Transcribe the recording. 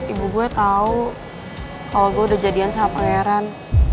ibu gue tau kalau gue udah jadian sama pangeran